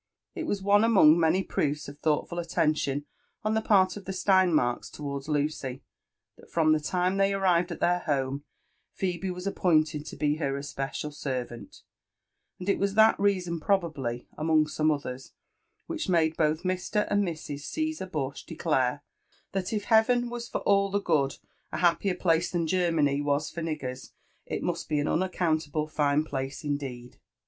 It was one among many proofs of thoughtful attention on the part of the Steinmarks towards Lucy, that from the lime they arrived at their home, Phebe was appointed to be her especial servant; and it was that reason probably, among some others, which made both Mr. and Mrs. Caesar Bush declare, that if heaven was for all the good a happier place than Germany was for niggers', it must be an unaccountable fine place, indeed."